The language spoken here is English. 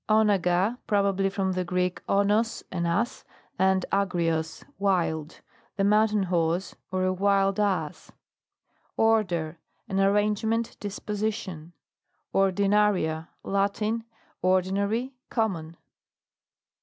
ONAGGA. Probably from the Greek, ones, an ass, and agrios, wild. The mountain horse, or a wild ass. ORDER An arrangement, disposition. ORDINARIA. Latin. Ordinary, com mon.